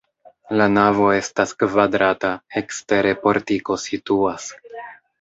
La navo estas kvadrata, ekstere portiko situas.